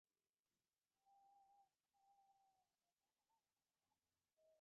এসব প্রতিষ্ঠানের প্রতিনিধিদের সঙ্গে সাক্ষাতের জন্য প্ল্যাটফর্ম হিসেবে কাজ করবে এ আয়োজন।